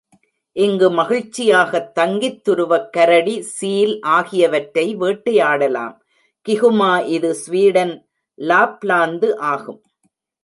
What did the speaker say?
இங்கு மகிழ்ச்சியாகத் தங்கித் துருவக் கரடி, சீல் ஆகிய வற்றை வேட்டையாடலாம், கிகுமா இது ஸ்வீடனின் லாப்லாந்து ஆகும்.